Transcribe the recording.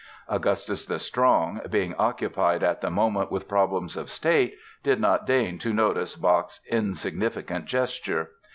Augustus the Strong, being occupied at the moment with problems of state, did not deign to notice Bach's "insignificant" gesture.